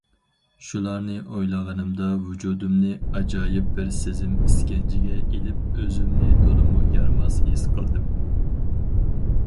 شۇلارنى ئويلىغىنىمدا ۋۇجۇدۇمنى ئاجايىپ بىر سېزىم ئىسكەنجىسىگە ئېلىپ ئۆزۈمنى تولىمۇ يارىماس ھېس قىلدىم.